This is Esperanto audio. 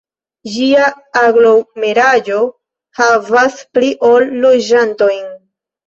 Ĝia aglomeraĵo havas pli ol loĝantojn.